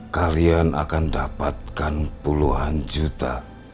kalian akan dapatkan puluhan juta